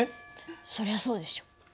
そりゃそうでしょ。